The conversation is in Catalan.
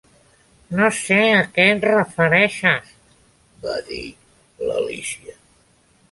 "No sé a què et refereixes", va dir l'Alícia..